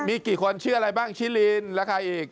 มีกี่คนชื่ออะไรบ้างชิลินแล้วใครอีก